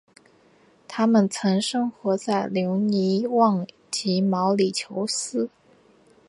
它们曾生活在留尼旺及毛里裘斯。